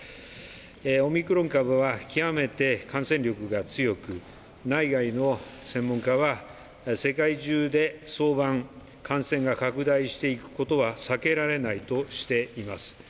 オミクロン株は極めて感染力が強く、内外の専門家は、世界中で早晩、感染が拡大していくことは避けられないとしています。